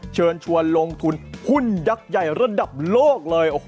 เชิญชวนลงทุนหุ้นยักษ์ใหญ่ระดับโลกเลย